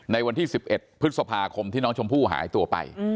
ในวันที่๑๑พฤษภาคมที่น้องชมพู่หายตัวไป